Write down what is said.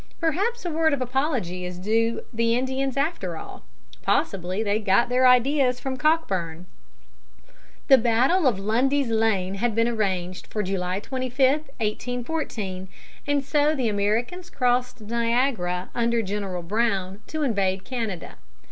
Perhaps a word of apology is due the Indians after all. Possibly they got their ideas from Cockburn. The battle of Lundy's Lane had been arranged for July 25, 1814, and so the Americans crossed Niagara under General Brown to invade Canada.